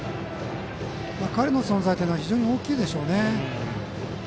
彼の存在は非常に大きいでしょうね。